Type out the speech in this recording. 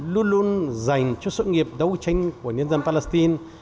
luôn luôn dành cho sự nghiệp đấu tranh của nhân dân palestine